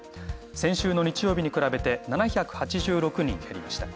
先週の日曜日に比べて７８６人減りました。